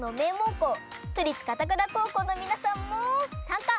こう都立片倉高校のみなさんもさんか！